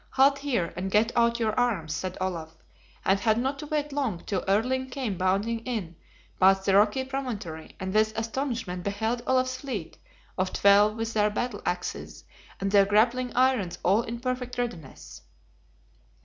"Halt here, and get out your arms," said Olaf, and had not to wait long till Erling came bounding in, past the rocky promontory, and with astonishment beheld Olaf's fleet of twelve with their battle axes and their grappling irons all in perfect readiness.